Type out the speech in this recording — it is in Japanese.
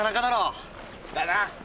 だな。